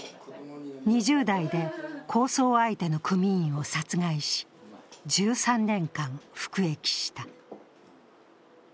２０代で抗争相手の組員を殺害し１３年間服役した。